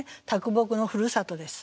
啄木のふるさとです。